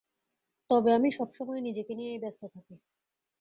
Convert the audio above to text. তবে আমি সবসময় নিজেকে নিয়েই ব্যাস্ত থাকি।